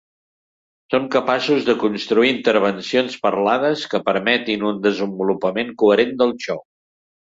Són capaços de construir intervencions parlades que permetin un desenvolupament coherent del xou.